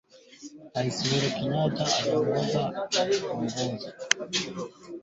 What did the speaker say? Epuka kuchanganya mifugo maeneo yamalisho kukabiliana na ugonjwa